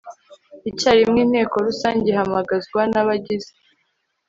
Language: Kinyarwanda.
icyarimwe inteko rusange ihamagazwa n abagize